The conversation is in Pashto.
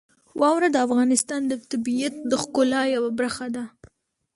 واوره د افغانستان د طبیعت د ښکلا یوه برخه ده.